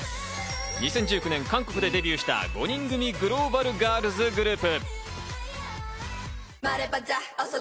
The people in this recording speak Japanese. ２０１９年、韓国でデビューした５人組グローバルガールズグループ。